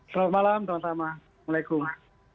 selamat malam teman teman